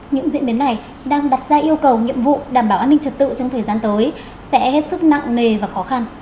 những diễn biến này đang đặt ra yêu cầu nhiệm vụ đảm bảo an ninh trật tự trong thời gian tới sẽ hết sức nặng nề và khó khăn